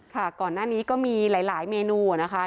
ก่อนหน้านี้ก็มีหลายเมนูนะคะ